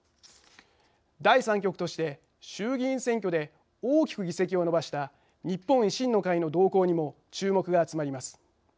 第３極として衆議院選挙で大きく議席を伸ばした日本維新の会の動向にも注目が集まります。